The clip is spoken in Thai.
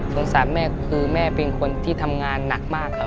สารแม่คือแม่เป็นคนที่ทำงานหนักมากครับ